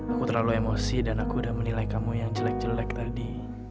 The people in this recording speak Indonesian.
aku terlalu emosi dan aku udah menilai kamu yang jelek jelek tadi